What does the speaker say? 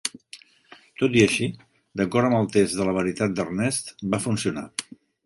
Tot i així, d'acord amb el test de la veritat d'Ernest, va funcionar.